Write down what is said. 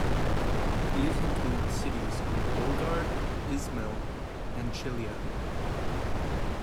These included the cities of Bolgrad, Ismail and Chilia.